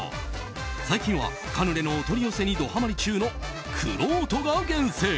最近はカヌレのお取り寄せにドハマリ中のくろうとが厳選。